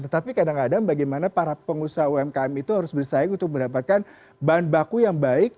tetapi kadang kadang bagaimana para pengusaha umkm itu harus bersaing untuk mendapatkan bahan baku yang baik